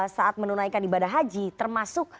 saat menunaikan ibadah haji termasuk